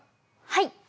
はい。